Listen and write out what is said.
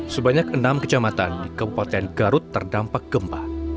sebanyak enam kecamatan di kabupaten garut terdampak gempa